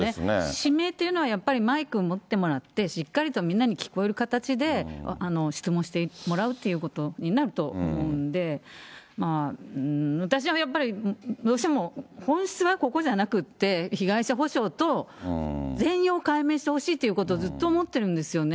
指名というのは、やっぱりマイク持ってもらって、しっかりとみんなに聞こえる形で質問してもらうということになると思うんで、私はやっぱり、どうしても本質はここじゃなくって、被害者補償と、全容解明してほしいということをずっと思ってるんですよね。